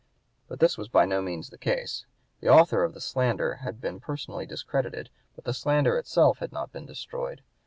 But this was by no means the case. The author of the slander had been personally discredited; but the slander itself had not been destroyed.